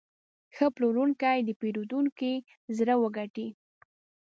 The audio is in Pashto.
ښه پلورونکی د پیرودونکي زړه وګټي.